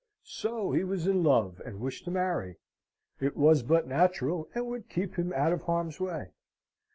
So he was in love, and wished to marry! It was but natural, and would keep him out of harm's way.